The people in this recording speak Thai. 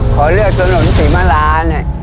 ขอเลือกถนนศรีมารา